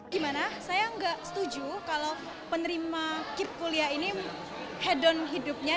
gimana saya nggak setuju kalau penerima kip kuliah ini head don hidupnya